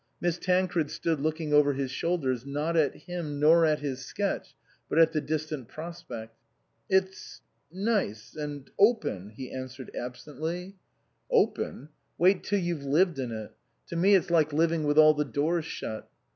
Miss Tancred stood looking over his shoulders, not at him nor at his sketch, but at the distant prospect. " It's nice and open," he answered absently. 44 INLAND " Open ? Wait till you've lived in it. To me it's like living with all the doors shut."